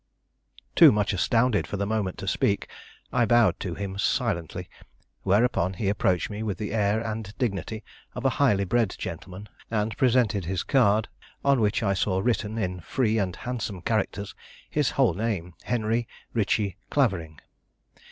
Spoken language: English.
Too much astounded for the moment to speak, I bowed to him silently, whereupon he approached me with the air and dignity of a highly bred gentleman, and presented his card, on which I saw written, in free and handsome characters, his whole name, Henry Ritchie Clavering.